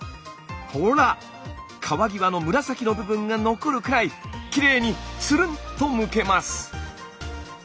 皮際の紫の部分が残るくらいきれいにつるん！とむけます。